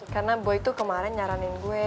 karena boy tuh kemarin nyaranin gue